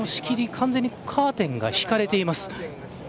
完全にカーテンが引かれています。